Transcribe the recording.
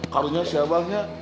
kalunya si abah ya